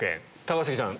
高杉さん